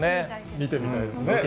見てみたいです。